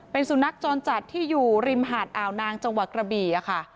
เป็นสุนัขจรจัดที่อยู่ริมหาดอ่าวนางจังหวัดกระบี่ค่ะ